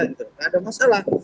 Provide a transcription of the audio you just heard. tidak ada masalah